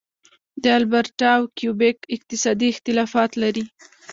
البرټا او کیوبیک اقتصادي اختلافات لري.